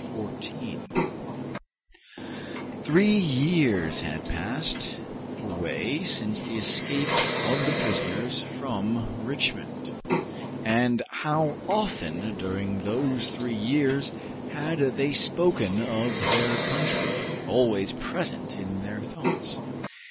Chapter 14 Three years had passed away since the escape of the prisoners from Richmond, and how often during those three years had they spoken of their country, always present in their thoughts!